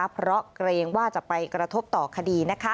เพราะเกรงว่าจะไปกระทบต่อคดี